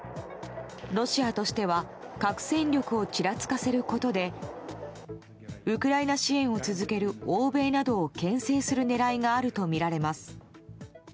ロシアとしては核戦力をちらつかせることでウクライナ支援を続ける欧米などを牽制する狙いがあるとみられます。